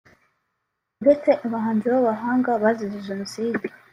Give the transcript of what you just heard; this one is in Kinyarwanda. uretse abahanzi b’abahanga bazize jenoside